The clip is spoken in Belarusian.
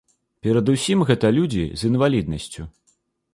Перадусім гэта людзі з інваліднасцю.